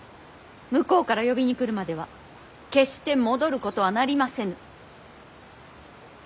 向こうから呼びに来るまでは決して戻ることはなりませぬ。